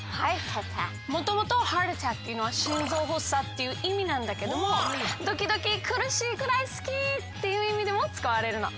もともと「ｈｅａｒｔａｔｔａｃｋ」っていうのは心臓発作っていういみなんだけどもドキドキ苦しいくらい好き！っていういみでもつかわれるの。